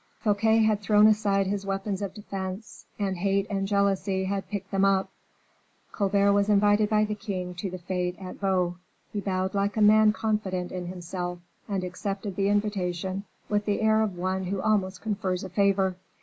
Fouquet had thrown aside his weapons of defense, and hate and jealousy had picked them up. Colbert was invited by the king to the fete at Vaux; he bowed like a man confident in himself, and accepted the invitation with the air of one who almost confers a favor.